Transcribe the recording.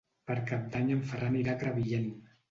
Per Cap d'Any en Ferran irà a Crevillent.